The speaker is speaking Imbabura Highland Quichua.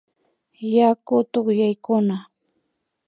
Yaku tukyaykuna